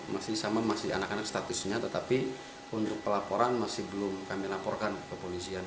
masih sama masih anak anak statusnya tetapi untuk pelaporan masih belum kami laporkan ke polisian